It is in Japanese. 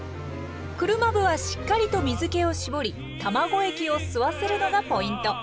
車麩はしっかりと水けを絞り卵液を吸わせるのがポイント。